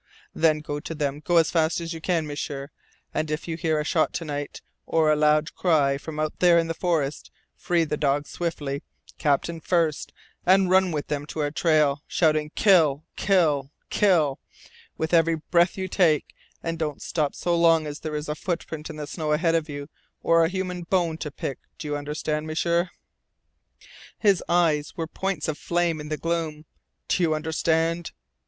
"Then go to them go as fast as you can, M'sieur. And if you hear a shot to night or a loud cry from out there in the forest, free the dogs swiftly, Captain first, and run with them to our trail, shouting 'KILL! KILL! KILL!' with every breath you take, and don't stop so long as there is a footprint in the snow ahead of you or a human bone to pick! Do you understand, M'sieur?" His eyes were points of flame in the gloom. "Do you understand?"